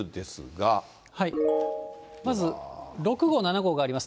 まず６号、７号があります。